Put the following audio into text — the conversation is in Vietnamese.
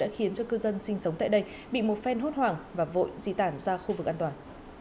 khiến cho cư dân sinh sống tại đây bị một phen hốt hoảng và vội di tản ra khu vực an toàn